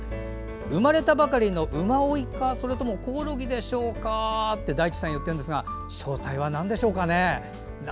生まれたばかりのウマオイかコオロギでしょうかって大地さんは言ってるんですが正体はなんでしょうかね。